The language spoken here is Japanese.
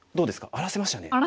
荒らせましたね。